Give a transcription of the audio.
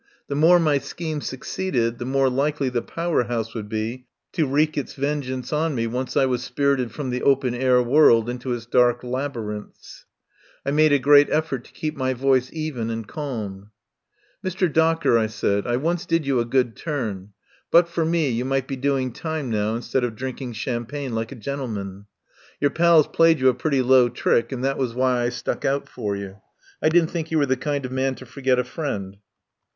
The more my scheme succeeded the more likely the Power House would be to wreak its vengeance on me once I was spirited from the open air world into its dark laby rinths. I made a great effort to keep my voice even and calm. 145 THE POWER HOUSE "Mr. Docker," I said. "I once did you a good turn. But for me you might be doing time now instead of drinking champagne like a gentleman. Your pals played you a pretty low trick, and that was why I stuck out for you. I didn't think you were the kind of man to forget a friend."